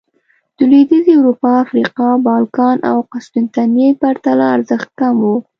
د لوېدیځې اروپا، افریقا، بالکان او قسطنطنیې پرتله ارزښت کم و